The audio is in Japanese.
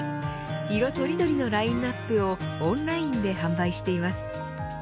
色とりどりのラインアップをオンラインで販売しています。